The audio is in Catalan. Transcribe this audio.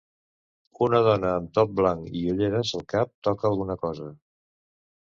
Una dona amb top blanc i ulleres al cap toca alguna cosa.